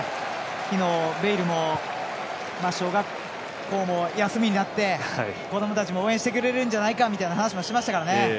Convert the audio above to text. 昨日、ベイルも小学校も休みになって子どもたちも応援してくれるんじゃないかという話をしていました。